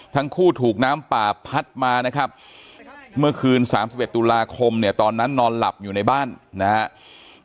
ทั้งคู่ถูกน้ำป่าพัดมานะครับเมื่อคืน๓๑ตุลาคมเนี่ยตอนนั้นนอนหลับอยู่ในบ้านนะครับ